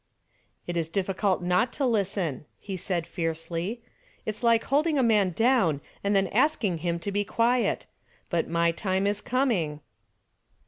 "It is difficult not to listen," he said fiercely. "It's like holding a man down and then asking him to be quiet. But my time is coming."